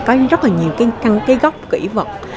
có rất nhiều cái góc kỹ vật